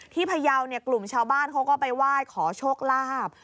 ที่พายาวกลุ่มชาวบ้านเขาก็ไปไหว้ขอโชคลาบ